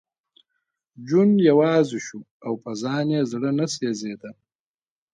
جون یوازې شو او په ځان یې زړه نه سېزېده